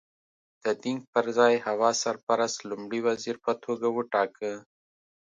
د دینګ پر ځای هوا سرپرست لومړی وزیر په توګه وټاکه.